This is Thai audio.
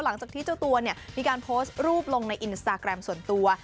หลังจากที่เจ้าตัวเนี่ยมีการโพสต์รูปลงในอินสตาแกรมส่วนตัว